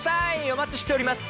お待ちしております。